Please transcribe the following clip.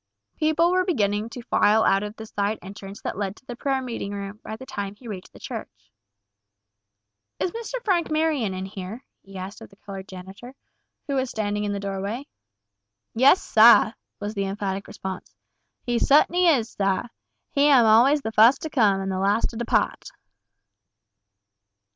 People were beginning to file out of the side entrance that led to the prayer meeting room, by the time he reached the church. "Is Mr. Frank Marion in here?" he asked of the colored janitor, who was standing in the doorway. "Yes, sah!" was the emphatic response. "He sut'n'y is, sah! He am always the fust to come, an' the last to depaht."